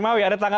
baik bang nia